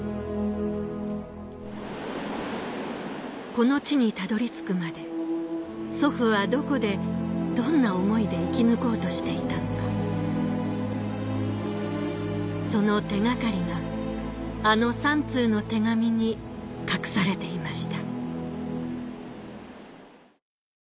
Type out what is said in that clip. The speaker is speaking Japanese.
この地にたどり着くまで祖父はどこでどんな思いで生き抜こうとしていたのかその手掛かりがあの３通の手紙に隠されていました